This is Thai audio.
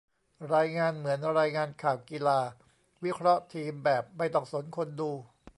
รายงานเหมือนรายงานข่าวกีฬา วิเคราะห์ทีมแบบไม่ต้องสนคนดู